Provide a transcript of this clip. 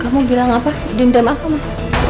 kamu bilang apa dendam aku mas